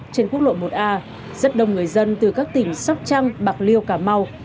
trên quốc lộ một a rất đông người dân từ các tỉnh sóc trăng bạc liêu cà mau